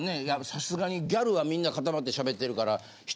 さすがにギャルがみんなかたまって喋ってるから。